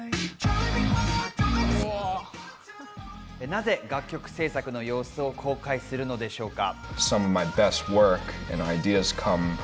なぜ楽曲制作の様子を公開するのでしょうか？